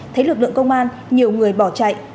thấy lực lượng công an nhiều người bỏ chạy